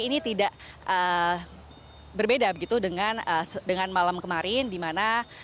ini tidak berbeda dengan malam kemarin